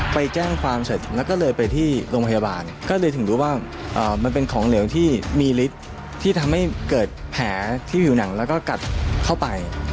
ไปแจ้งความเสร็จแล้วก็เลยไปที่โรงพยาบาลก็เลยถึงรู้ว่ามันเป็นของเหลวที่มีฤทธิ์ที่ทำให้เกิดแผลที่ผิวหนังแล้วก็กัดเข้าไป